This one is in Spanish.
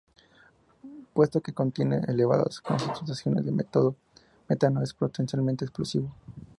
Puesto que contiene elevadas concentraciones de metano, es potencialmente explosivo.